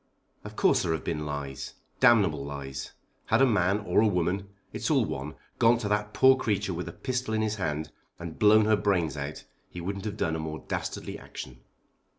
"Of course there have been lies, damnable lies. Had a man, or a woman, it's all one, gone to that poor creature with a pistol in his hand and blown her brains out he wouldn't have done a more dastardly action."